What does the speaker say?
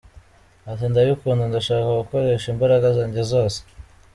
Ati “ Ndabikunda ndashaka gukoresha imbaraga zanjye zose.